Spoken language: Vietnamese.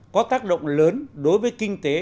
có tác động lớn đối với kinh tế